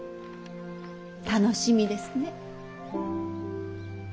楽しみですね。